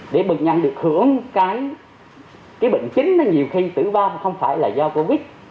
để bệnh nhân được hưởng cái bệnh chính nó nhiều khi tử vong không phải là do covid